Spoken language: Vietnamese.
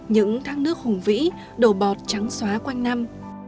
những thang nước hùng vĩ đồ bọt trắng xóa quanh năm